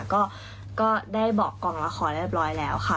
ก็ได้บอกกองละครเรียบร้อยแล้วค่ะ